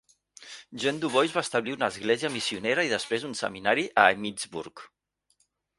Jean Dubois va establir una església missionera i després un seminari a Emmitsburg.